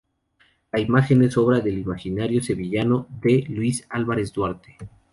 La imagen es obra del imaginario sevillano D. Luis Álvarez Duarte.